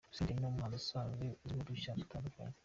Senderi ni umuhanzi usanzwe azwiho udushya dutandukanye.